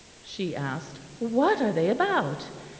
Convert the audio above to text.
she asked. "What are they about?